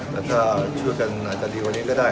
แต่ถ้าช่วยกันอาจจะดีกว่านี้ก็ได้